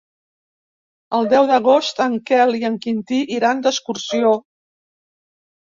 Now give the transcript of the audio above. El deu d'agost en Quel i en Quintí iran d'excursió.